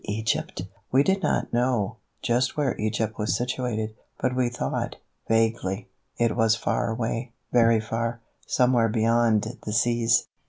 Egypt! We did not know just where Egypt was situated, but we thought, vaguely, it was far away, very far, somewhere beyond the seas.